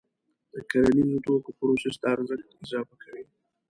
د کرنیزو توکو پروسس د ارزښت اضافه کوي.